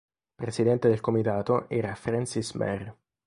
Presidente del Comitato era Francis Mer.